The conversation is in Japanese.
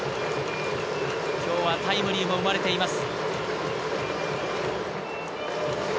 今日はタイムリーも生まれています。